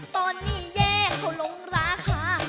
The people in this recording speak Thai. ตอนนี้แย้หลงราคา